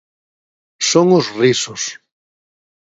Son os risos...